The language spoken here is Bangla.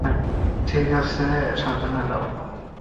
ঠিক আছে, সাবধানে যাও।